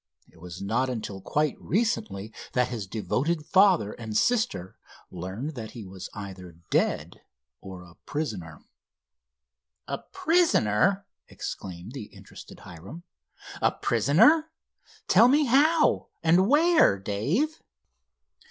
It was not until quite recently that his devoted father and sister learned that he was either dead or a prisoner." "A prisoner?" exclaimed the interested Hiram. "A prisoner? Tell me how and where, Dave?"